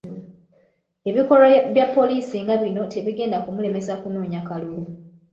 Ebikolwa bya poliisi nga bino tebigenda kumulemesa kunoonya kalulu.